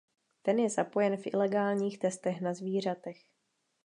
Ten je zapojen v ilegálních testech na zvířatech.